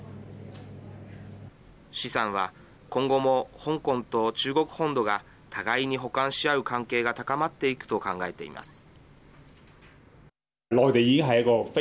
施さんは今後も、香港と中国本土が互いに補完し合う関係が高まっていくと考えています。